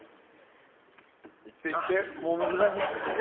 もう難しい。